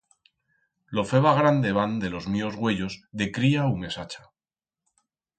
Lo feba gran debant de los míos uellos de cría u mesacha.